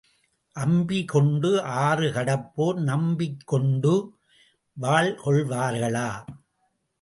அம்பி கொண்டு ஆறு கடப்போர் நம்பிக்கொண்டு வால் கொள்வார்களா?